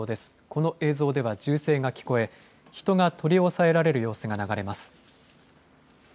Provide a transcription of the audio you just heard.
この映像では銃声が聞こえ、人が取り押さえられる様子が流れます。